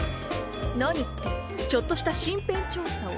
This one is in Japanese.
何ってちょっとした身辺調査を。